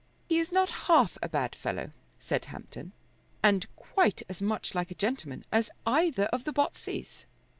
"He is not half a bad fellow," said Hampton, "and quite as much like a gentleman as either of the Botseys."